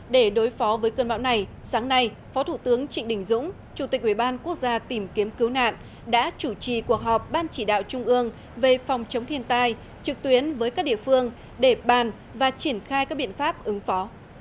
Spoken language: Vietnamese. để đối phó với cơn bão này sáng nay phó thủ tướng trịnh đình dũng chủ tịch ủy ban quốc gia tìm kiếm cứu nạn đã chủ trì cuộc họp ban chỉ đạo trung ương về phòng chống thiên tai trực tuyến với các địa phương để bàn và triển khai các biện pháp ứng phó